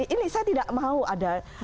ini saya tidak mau ada